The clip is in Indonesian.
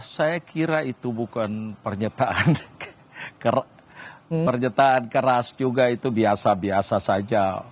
saya kira itu bukan pernyataan keras juga itu biasa biasa saja